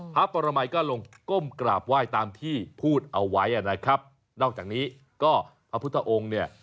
พระปรมัยก็ลงก้มกราบไหว้ตามที่พูดเอาไว้นะครับนอกจากนี้ก็พระพุทธองค์เนี่ย